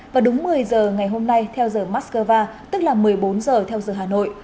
và đúng một mươi giờ ngày hôm nay theo giờ moscow tức là một mươi bốn giờ theo giờ hà nội